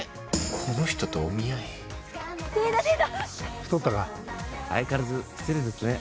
この人とお見合い？相変わらず失礼ですね。